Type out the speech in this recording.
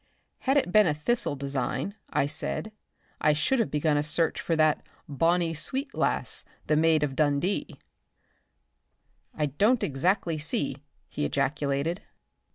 "Had it been a thistle design," I said, "I should have begun a search for that 'bonnie sweet lass, the Maid o' Dundee." "I don't exactly see," he ejaculated.